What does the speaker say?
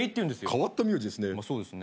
変わった名字ですね。